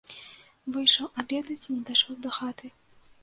Выйшаў абедаць і не дайшоў да хаты.